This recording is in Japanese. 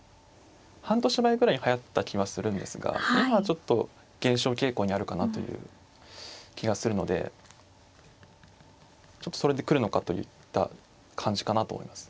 半年前ぐらいにはやった気はするんですが今はちょっと減少傾向にあるかなという気がするのでちょっとそれで来るのかといった感じかなと思います。